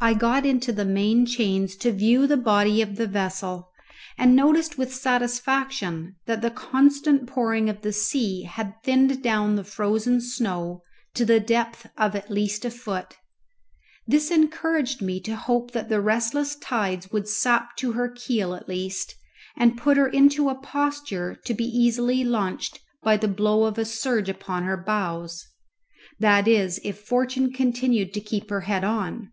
I got into the main chains to view the body of the vessel, and noticed with satisfaction that the constant pouring of the sea had thinned down the frozen snow to the depth of at least a foot. This encouraged me to hope that the restless tides would sap to her keel at least, and put her into a posture to be easily launched by the blow of a surge upon her bows that is if fortune continued to keep her head on.